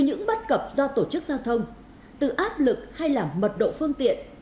những bất cập do tổ chức giao thông từ áp lực hay là mật độ phương tiện